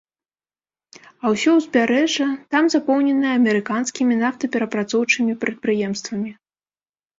А ўсё ўзбярэжжа там запоўненае амерыканскімі нафтаперапрацоўчымі прадпрыемствамі.